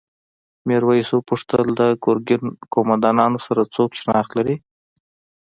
میرويس وپوښتل د ګرګین قوماندانانو سره څوک شناخت لري؟